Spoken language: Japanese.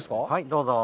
どうぞ。